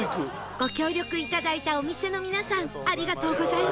ご協力頂いたお店の皆さんありがとうございました